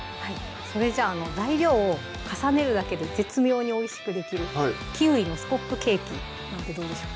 それじゃあ材料を重ねるだけで絶妙においしくできる「キウイのスコップケーキ」なんてどうでしょう？